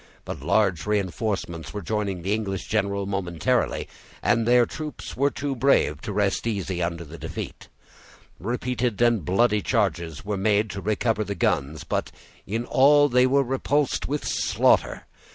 But large reenforcements were joining the English general momentarily, and their troops were too brave to rest easy under the defeat. Repeated and bloody charges were made to recover the guns, but in all they were repulsed with slaughter.